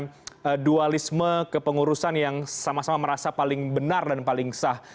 dengan dualisme kepengurusan yang sama sama merasa paling benar dan paling sah